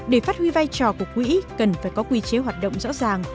để phát huy vai trò của quỹ cần phải có quy chế hoạt động rõ ràng